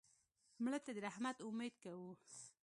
مړه ته د رحمت امید کوو